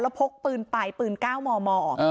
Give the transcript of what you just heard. แล้วพกปืนไปปืน๙มม